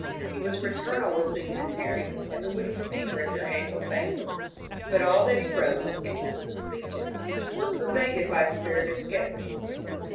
He was fraternal with the Unitarians and the witty speaker at their annual banquets ; but all that he wrote, and even the speeches, were pervad^ by a spirit of scepticism.